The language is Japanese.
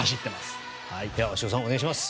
では鷲尾さんお願いします。